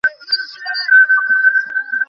এটা জোক ছিলো, তাই না?